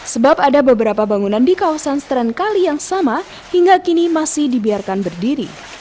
sebab ada beberapa bangunan di kawasan stren kali yang sama hingga kini masih dibiarkan berdiri